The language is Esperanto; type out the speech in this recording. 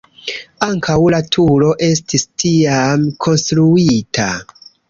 Ankaŭ la turo estis tiam konstruita.